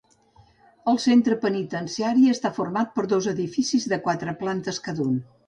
El centre penitenciari està format per dos edificis de quatre plantes cada un.